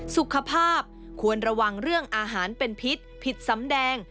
สุขภาพควรระวังเรื่องอาหารเป็นพิษผิดสำแดง